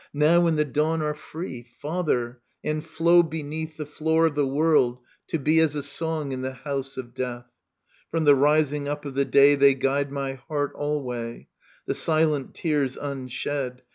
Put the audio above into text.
Now in the dawn are free, Father, and flow beneath The floor of the world, to be As a song in the house of Death : From the rising up of the day They guide my heart alway. The silent tears unshed.